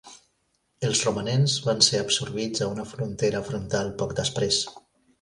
Els romanents van ser absorbits a una frontera frontal poc després.